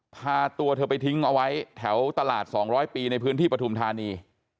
พาตัวเธอไปทิ้งเอาไว้แถวตลาด๒๐๐ปีในพื้นที่ปฐุมธานี